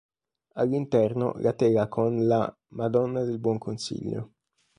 All'interno, la tela con la "Madonna del Buonconsiglio".